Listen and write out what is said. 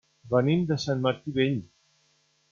Venim de Sant Martí Vell.